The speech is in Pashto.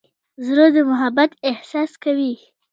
زړه د محبت احساس کوي.